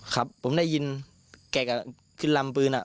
ครับผมได้ยินแกก็ขึ้นลำปืน